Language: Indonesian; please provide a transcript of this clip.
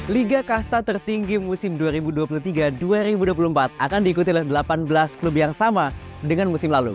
liga kasta tertinggi musim dua ribu dua puluh tiga dua ribu dua puluh empat akan diikuti oleh delapan belas klub yang sama dengan musim lalu